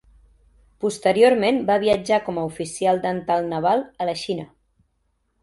Posteriorment va viatjar com a oficial dental naval a la Xina.